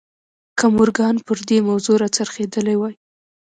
که مورګان پر دې موضوع را څرخېدلی وای